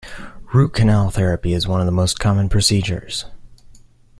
Root canal therapy is one of the most common procedures.